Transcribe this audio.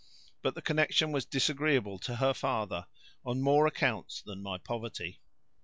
But the connection was disagreeable to her father, on more accounts than my poverty.